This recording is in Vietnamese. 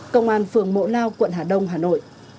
công an phường mộ lao quận hà đông hà nội